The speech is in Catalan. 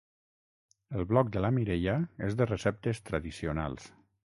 El blog de la Mireia és de receptes tradicionals